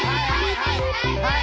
はい！